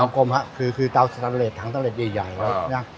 เตากลมฮะคือคือเตาสัตว์เรทถังสัตว์เรทใหญ่ใหญ่แล้วอ่า